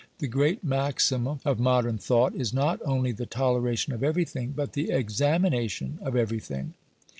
The great maxim of modern thought is not only the toleration of everything, but the examination of everything.